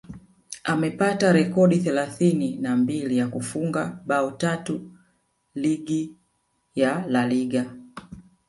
amepata rekodi thelathini na mbili ya kufunga bao tatu ligi ya La Liga